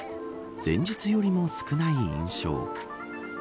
前日よりも少ない印象。